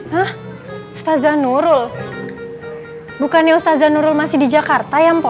hah ustazah nurul bukannya ustazah nurul masih di jakarta ya mpo